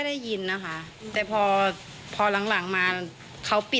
มีข้อมูลบืหลังก็อยู่ในบริการ